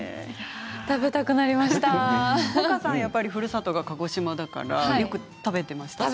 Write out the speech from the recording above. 萌歌さんはやっぱりふるさとが鹿児島だから食べていましたか？